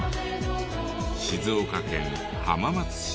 静岡県浜松市。